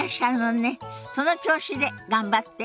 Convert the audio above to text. その調子で頑張って。